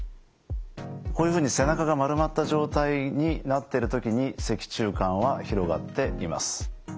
こういうふうに背中が丸まった状態になっている時に脊柱管は広がっています。